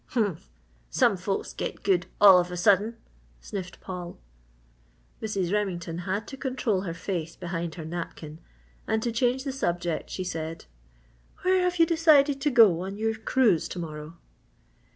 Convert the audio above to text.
"Humph! Some folks get good all of a sudden!" sniffed Paul. Mrs. Remington had to control her face behind her napkin, and to change the subject, she said: "Where have you decided to go on your cruise to morrow?"